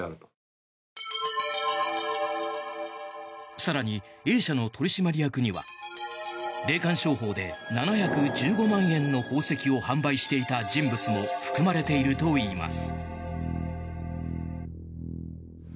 更に、Ａ社の取締役には霊感商法で７１５万円の宝石を販売していた人物も含まれているといいます。